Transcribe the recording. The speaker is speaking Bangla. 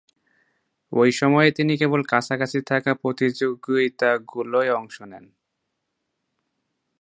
ঐ সময়ে তিনি কেবল কাছাকাছি থাকা প্রতিযোগিতাগুলোয় অংশ নেন।